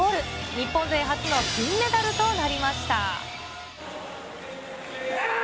日本勢初の金メダルとなりました。